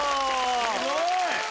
すごい！